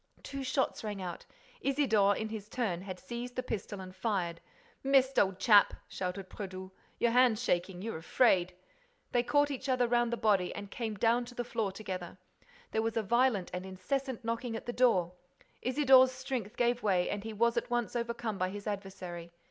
Two shots rang out. Isidore, in his turn, had seized his pistol and fired. "Missed, old chap!" shouted Brédoux. "Your hand's shaking.—You're afraid—" They caught each other round the body and came down to the floor together. There was a violent and incessant knocking at the door. Isidore's strength gave way and he was at once over come by his adversary.